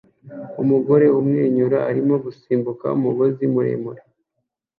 Umugore umwenyura arimo gusimbuka umugozi muremure